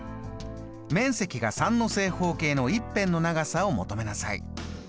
面積が３の正方形の１辺の長さを求めなさい。